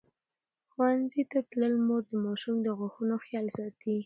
ښوونځې تللې مور د ماشوم د غاښونو خیال ساتي.